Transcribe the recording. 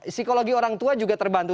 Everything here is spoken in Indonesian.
psikologi orang tua juga terbantu